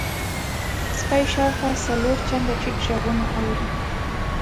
سپی شاوخوا څلور چنده ټیټ غږونه اوري.